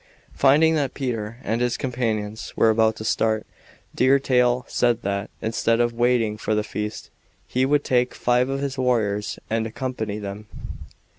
Finding that Peter and his companions were about to start, Deer Tail said that, instead of waiting for the feast, he would take five of his warriors and accompany them.